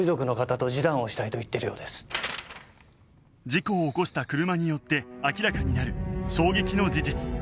事故を起こした車によって明らかになる衝撃の事実